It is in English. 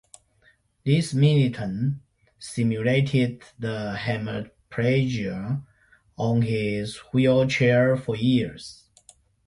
This militant simulated the hemiplegia on his wheelchair for years.